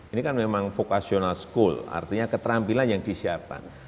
ini kan memang vocational school artinya keterampilan yang disiapkan